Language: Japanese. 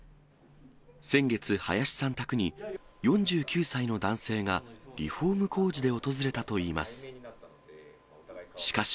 先月、林さん宅に、４９歳の男性がリフォーム工事で訪れたといいます。